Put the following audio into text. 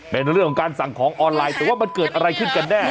เป็นเรื่องของการสั่งของออนไลน์แต่ว่ามันเกิดอะไรขึ้นกันแน่